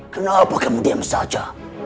kenapa kamu diam saja